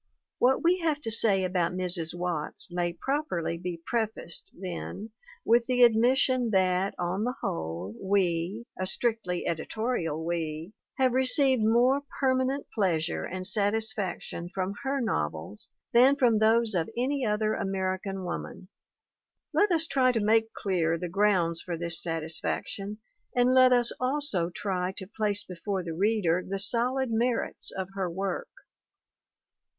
What we have to say about Mrs. Watts may properly be prefaced, then, with the admission that, on the whole, we (a strictly editorial we) have received more permanent pleasure and sat isfaction from her novels than from those of any other American woman. Let us try to make clear the grounds for this satisfaction and let us also try to place before the reader the solid merits of her work.